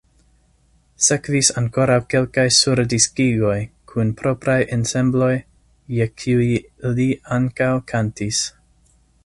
Sekvis ankoraŭ kelkaj surdiskigoj kun propraj ensembloj, je kiuj li ankaŭ kantis.